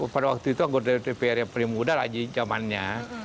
pada waktu itu anggota dpr yang paling muda lagi zamannya